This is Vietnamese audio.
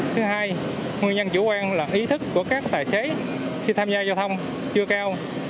thứ hai nguyên nhân chủ quan là ý thức của các tài xế khi tham gia giao thông chưa cao